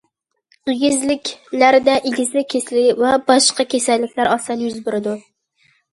ئېگىزلىكلەردە ئېگىزلىك كېسىلى ۋە باشقا كېسەللىكلەر ئاسان يۈز بېرىدۇ.